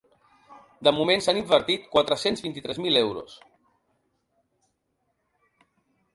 De moment s’han invertit quatre-cents vint-i-tres mil euros.